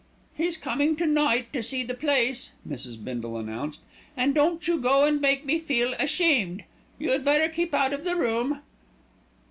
"He's coming to night to see the place," Mrs. Bindle announced, "and don't you go and make me feel ashamed. You'd better keep out of the room."